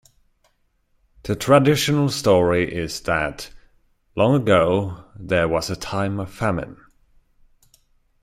The traditional story is that, long ago, there was a time of famine.